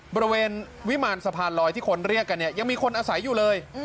บริเวณวิมารสะพานลอยที่คนเรียกกันเนี่ยยังมีคนอาศัยอยู่เลย